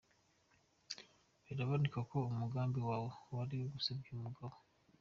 Biraboneka ko umugambi wawe wari ugusebya uyu mugabo.